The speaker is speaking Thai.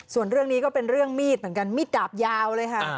ส่วนเรื่องนี้ก็เป็นเรื่องมีดเหมือนกันมีดดาบยาวเลยค่ะ